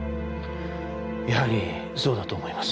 やはりそうだと思います。